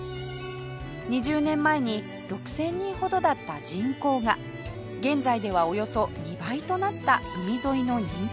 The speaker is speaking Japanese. ２０年前に６０００人ほどだった人口が現在ではおよそ２倍となった海沿いの人気エリア